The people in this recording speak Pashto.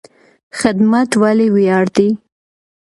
خدمت ولې ویاړ دی؟